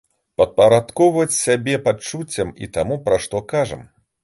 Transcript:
Падпарадкоўваць сябе пачуццям і таму, пра што кажам.